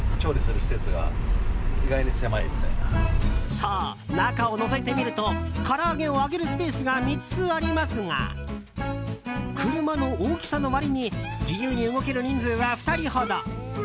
そう、中をのぞいてみるとから揚げを揚げるスペースが３つありますが車の大きさの割りに自由に動ける人数は２人ほど。